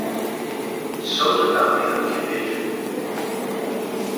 Sou do tamanho do que vejo!